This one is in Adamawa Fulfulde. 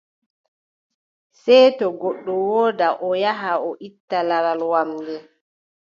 Sey to goɗɗo woodaa, o yaha o itta laral wamnde.